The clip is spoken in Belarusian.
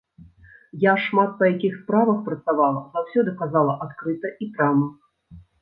Я шмат па якіх справах працавала, заўсёды казала адкрыта і прама.